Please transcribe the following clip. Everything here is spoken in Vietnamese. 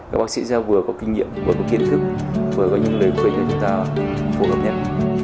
các bác sĩ sẽ vừa có kinh nghiệm vừa có kiến thức vừa có những lời khuyên cho chúng ta phù hợp nhất